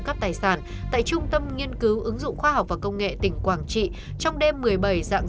các tài sản tại trung tâm nghiên cứu ứng dụng khoa học và công nghệ tỉnh quảng trị trong đêm một mươi bảy dạng